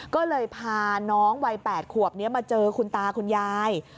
ก็เลยพาน้องวัย๘ขวบนี้มาเจอคุณตาคุณยาย